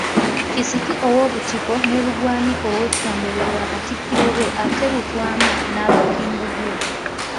Kisiki ow'Obutiko ne Lugwanye ow'Effumbe be Bakatikkiro be, ate Lutwama n'aba Kimbugwe.